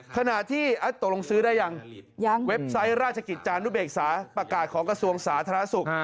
ขณะที่ตกลงซื้อได้ยังเว็บไซต์ราชกิจจานุเบกษาประกาศของกระทรวงสาธารณสุข